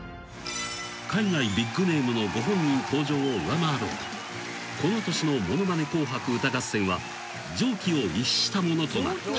［海外ビッグネームのご本人登場を上回ろうとこの年の『ものまね紅白歌合戦』は常軌を逸したものとなった］